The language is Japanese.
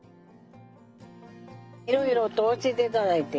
いろいろと教えて頂いて。